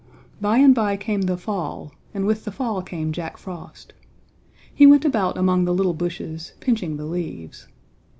By and by came the fall, and with the fall came Jack Frost. He went about among the little bushes, pinching the leaves.